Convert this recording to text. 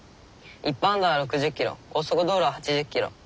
一般道は６０キロ高速道路は８０キロ。